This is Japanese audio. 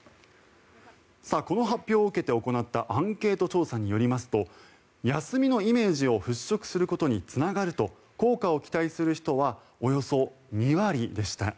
この発表を受けて行ったアンケート調査によりますと休みのイメージを払しょくすることにつながると効果を期待する人はおよそ２割でした。